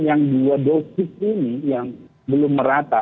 yang dua dosis ini yang belum merata